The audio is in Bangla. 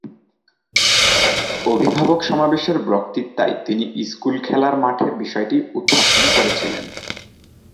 অভিভাবক সমাবেশের বক্তৃতায় তিনি স্কুল খেলার মাঠের বিষয়টি উত্থাপন করেছিলেন।